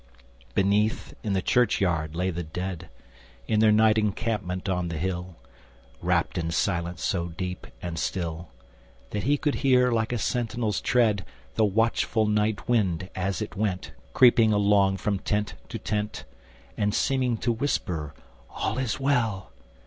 Beneath, in the churchyard, lay the dead, In their night encampment on the hill, Wrapped in silence so deep and still That he could hear, like a sentinelŌĆÖs tread, The watchful night wind, as it went Creeping along from tent to tent And seeming to whisper, ŌĆ£All is well!